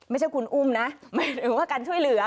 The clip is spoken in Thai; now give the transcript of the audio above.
ไม่ใช่คุณอุ้มนะหมายถึงว่าการช่วยเหลือ